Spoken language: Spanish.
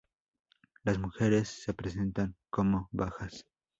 Las mujeres se presentan como bajas.